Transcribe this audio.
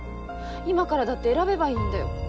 今からだって選べばいいんだよ。